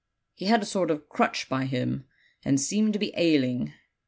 He had a sort of crutch by him, and seemed to be ailing.